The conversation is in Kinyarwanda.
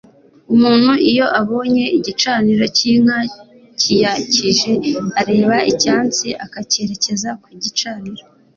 Umuntu iyo abonye igicaniro cy’inka kiyakije areba icyansi akacyerekeza ku gicaniro